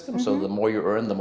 juga dalam hal persentase